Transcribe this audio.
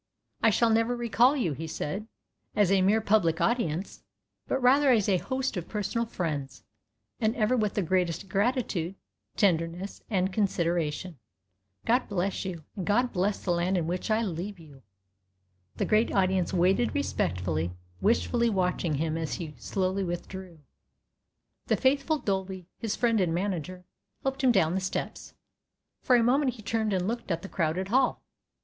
"I shall never recall you," he said, "as a mere public audience, but rather as a host of personal friends, and ever with the greatest gratitude, tenderness, and consideration. God bless you, and God bless the land in which I leave you!" The great audience waited respectfully, wistfully watching him as he slowly withdrew. The faithful Dolby, his friend and manager, helped him down the steps. For a moment he turned and looked at the crowded hall.